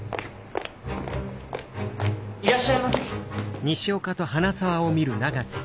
いらっしゃいませ。